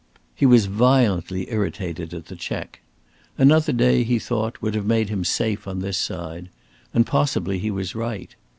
He was violently irritated at the check. Another day, he thought, would have made him safe on this side; and possibly he was right.